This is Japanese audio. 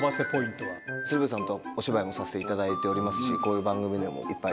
鶴瓶さんとお芝居もさせていただいておりますしこういう番組でも。